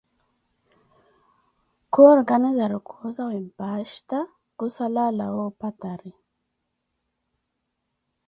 khurkanizari kuwo zawe mpasta khusala alawa opatari.